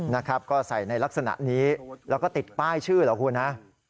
นะครับก็ใส่ในลักษณะนี้แล้วก็ติดป้ายชื่อเหรอคุณฮะ